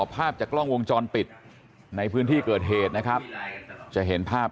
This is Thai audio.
ภาพจากกล้องวงจรปิดในพื้นที่เกิดเหตุนะครับจะเห็นภาพ